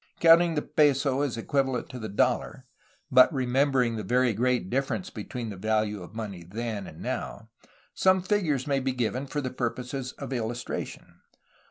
Counting the peso as equivalent to the dollar, but remembering the very great difference between the value of money then and now, some figures may be given, for purposes of illustration.